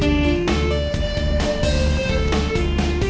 jangan kayanya kaya sosa dumeh